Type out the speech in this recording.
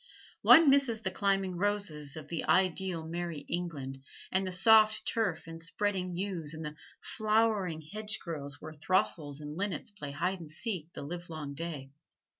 One misses the climbing roses of the ideal merry England, and the soft turf and spreading yews and the flowering hedgerows where throstles and linnets play hide and seek the livelong day.